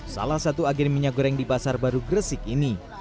salah satu agen minyak goreng di pasar baru gresik ini